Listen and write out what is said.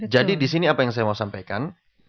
jadi di sini apa yang saya mau sampaikan